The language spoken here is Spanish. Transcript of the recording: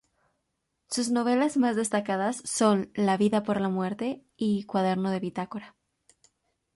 Sus novelas más destacadas son "La vida por la muerte" y "Cuaderno de bitácora".